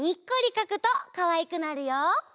かくとかわいくなるよ！